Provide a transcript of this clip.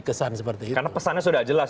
karena pesannya sudah jelas